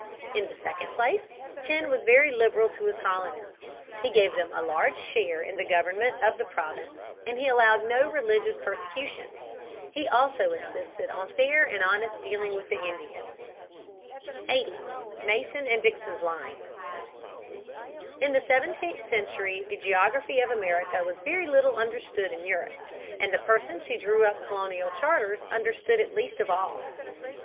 In the second place, Penn was very liberal to his colonists. He gave them a large share in the government of the province and he allowed no religious persecution. He also insisted on fair and honest dealing with the Indians. [Sidenote: Mason and Dixon's line.] [Sidenote: Its importance in history.] 80. Mason and Dixon's Line. In the seventeenth century the geography of America was very little understood in Europe and the persons who drew up colonial charters understood it least of all.